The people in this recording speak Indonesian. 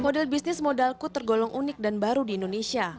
model bisnis modalku tergolong unik dan baru di indonesia